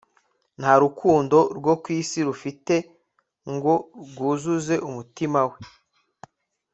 Nta rukundo rwo ku isi rufite ngo rwuzuze umutima we